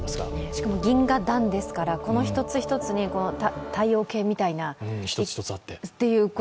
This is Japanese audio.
しかも銀河団ですから、この１つ１つに太陽系みたいな１つ１つがあって。